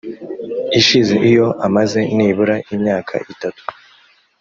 ishize iyo amaze nibura imyaka itatu